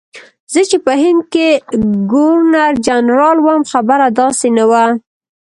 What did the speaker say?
زه چې په هند کې ګورنرجنرال وم خبره داسې نه وه.